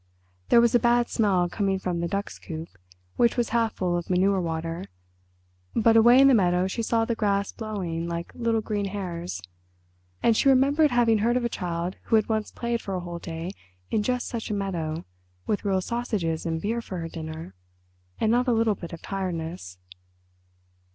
There was a bad smell coming from the ducks' coop, which was half full of manure water, but away in the meadow she saw the grass blowing like little green hairs. And she remembered having heard of a child who had once played for a whole day in just such a meadow with real sausages and beer for her dinner—and not a little bit of tiredness.